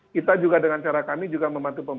kita juga dengan cara kami kita juga dengan cara kami